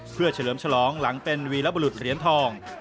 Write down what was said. เพื่อเฉลิมฉลองหลังเป็นวีรบรุษเหรียญทอง